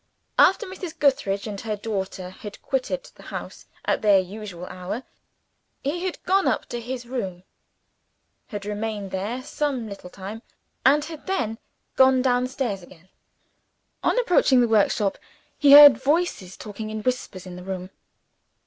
After Mrs. Gootheridge and her daughter had quitted the house at their usual hour, he had gone up to his room; had remained there some little time; and had then gone downstairs again. On approaching the workshop, he heard voices talking in whispers in the room.